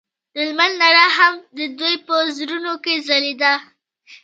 د لمر رڼا هم د دوی په زړونو کې ځلېده.